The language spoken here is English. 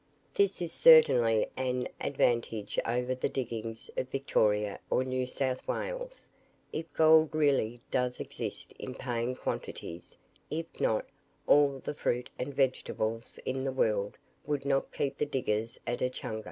This is certainly an advantage over the diggings of Victoria or New South Wales, if gold really does exist in paying quantities; if not, all the fruit and vegetables in the world would not keep the diggers at Echunga.